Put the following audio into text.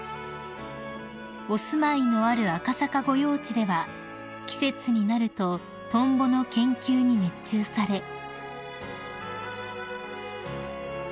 ［お住まいのある赤坂御用地では季節になるとトンボの研究に熱中され］